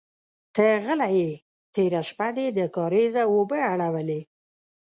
_ته غل يې، تېره شپه دې د کارېزه اوبه اړولې.